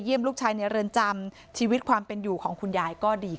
ลูกชายในเรือนจำชีวิตความเป็นอยู่ของคุณยายก็ดี